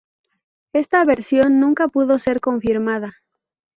Esta versión nunca pudo ser confirmada.